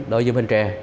đối với bến tre